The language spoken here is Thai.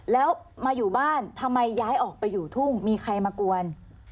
แล้วมาอยู่บ้านทำไมย้ายออกไปอยู่ทุ่งมีใครมากวน